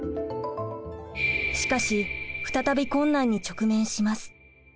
しかし再び困難に直面します。